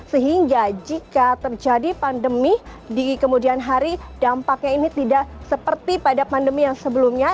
sehingga jika terjadi pandemi di kemudian hari dampaknya ini tidak seperti pada pandemi yang sebelumnya